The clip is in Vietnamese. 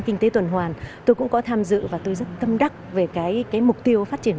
kinh tế tuần hoàn tôi cũng có tham dự và tôi rất tâm đắc về cái mục tiêu phát triển